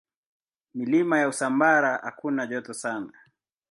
Milima ya Usambara hakuna joto sana.